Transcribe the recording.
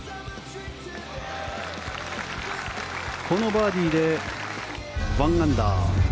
このバーディーで１アンダー。